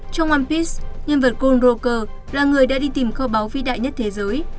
trong one piece nhân vật goldroker là người đã đi tìm kho báu phi đại nhất thế giới